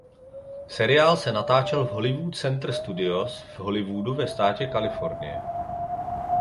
Seriál se natáčel v Hollywood Center Studios v Hollywoodu ve státě Kalifornie.